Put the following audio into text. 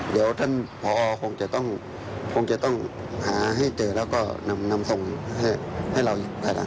เดี๋ยวท่านผอคงจะต้องหาให้เจอแล้วก็นำส่งให้เราอยู่ใกล้หลัง